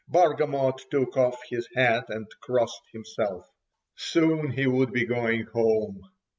Bargamot took off his hat and crossed himself. Soon he would be going home.